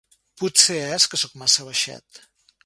Potser és que sóc massa baixet.